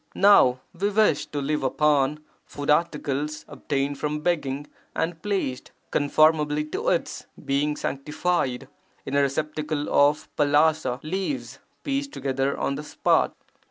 Now we wish to live upon food articles obtained from begging and placed, (conformably to its) being sanctified, in a receptacle of palasa leaves pieced together on the spot.